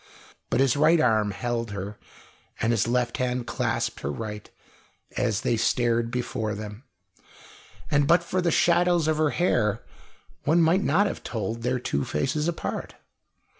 But his right arm held her and his left hand clasped her right as they stared before them; and but for the shadows of her hair one might not have told their two faces apart.